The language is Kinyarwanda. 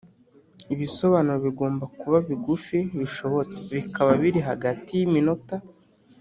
Ibisobanuro bigomba kuba bigufi bishobotse bikaba biri hagati y iminota